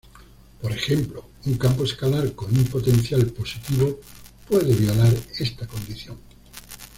Por ejemplo, un campo escalar con un potencial positivo puede violar esta condición.